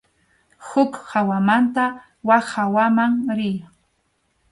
Huk hawamanta wak hawaman riy.